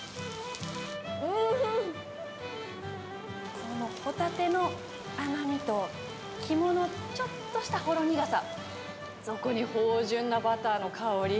おいしい、このホタテの甘みと、肝のちょっとしたほろ苦さ、そこにほうじゅんなバターの香り。